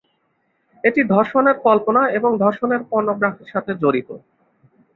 এটি ধর্ষণের কল্পনা এবং ধর্ষণের পর্নোগ্রাফির সাথে জড়িত।